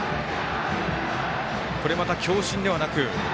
これまた強振ではなく。